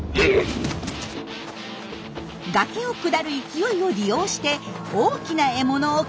崖を下る勢いを利用して大きな獲物を狩るんです。